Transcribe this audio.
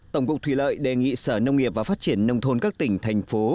tổng cục thủy lợi đề nghị sở nông nghiệp và phát triển nông thôn các tỉnh thành phố